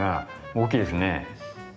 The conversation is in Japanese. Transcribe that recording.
大きいですね。